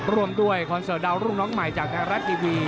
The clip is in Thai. ร่วมด้วยคอนเสิร์ตดาวรุ่งน้องใหม่จากไทยรัฐทีวี